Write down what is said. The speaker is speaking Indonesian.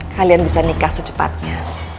kalian bisa nikah secepatnya